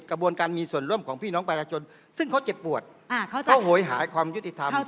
กระบวนการมีส่วนร่วมของพี่น้องประชาชนซึ่งเขาเจ็บปวดเขาโหยหายความยุติธรรม